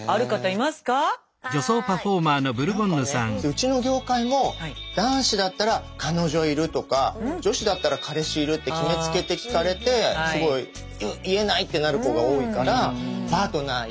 うちの業界も男子だったら彼女いるとか女子だったら彼氏いるって決めつけて聞かれてすごい「うっ言えない」ってなる子が多いから確かに。